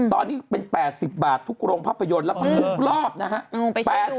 ตอนนี้เป็น๘๐บาททุกโรงภาพยนตร์แล้วก็ทุกรอบนะฮะ